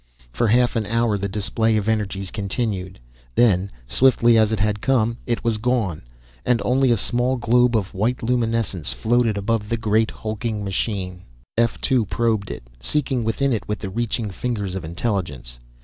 For half an hour the display of energies continued. Then, swiftly as it had come, it was gone, and only a small globe of white luminescence floated above the great hulking machine. F 2 probed it, seeking within it with the reaching fingers of intelligence.